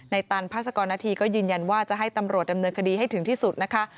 ตันพาสกรณฑีก็ยืนยันว่าจะให้ตำรวจดำเนินคดีให้ถึงที่สุดนะคะ